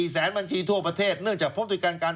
๔แสนบัญชีทั่วประเทศเนื่องจากพร้อมถือการ